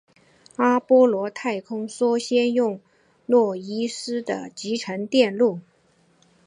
阿波罗太空梭选用诺伊斯的集成电路。